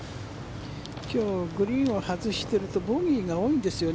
今日グリーンを外しているとボギーが多いんですよね。